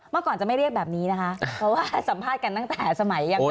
เมื่อก่อนจะไม่เรียกแบบนี้นะคะเพราะว่าสัมภาษณ์กันตั้งแต่สมัยยัง